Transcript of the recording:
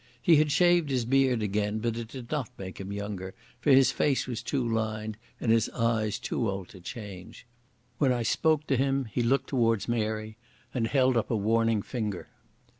He had shaved his beard again, but it did not make him younger, for his face was too lined and his eyes too old to change. When I spoke to him he looked towards Mary and held up a warning finger.